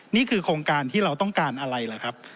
นี่คือโครงการที่เราต้องการอะไรล่ะครับ